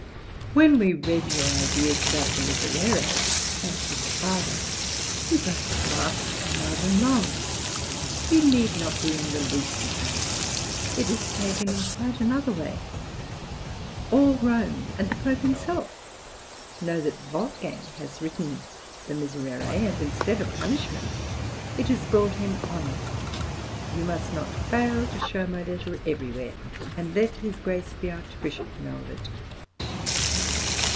"When we read your ideas about the {MOZART'S RECEPTION IN ROME.} (121) Miserere," answered the father, "we both laughed loud and long. You need not be in the least afraid. It is taken in quite another way. All Rome, and the Pope himself, know that Wolfgang has written the Miserere, and instead of punishment it has brought him honour. You must not fail to show my letter everywhere, and let his Grace the Archbishop know of it."